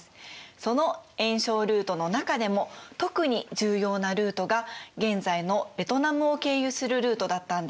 その援ルートの中でも特に重要なルートが現在のベトナムを経由するルートだったんです。